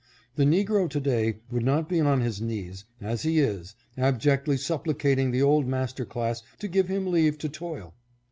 The negro to day would not be on his knees, as he is, abjectly supplicating the old master class to give him leave to toil.